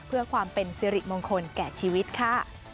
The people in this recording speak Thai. เพื่อความเป็นสิริมงคลแก่ชีวิตค่ะ